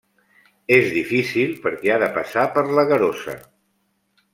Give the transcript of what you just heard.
És difícil perquè ha de passar per l'agarosa.